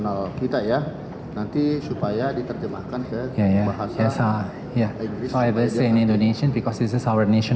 akan memberikan keterangan